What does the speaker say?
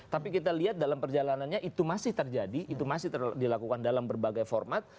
tapi kita lihat dalam perjalanannya itu masih terjadi itu masih dilakukan dalam berbagai format